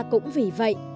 cũng vì vậy